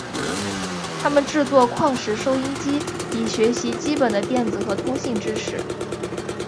他们制作矿石收音机以学习基本的电子和通信知识。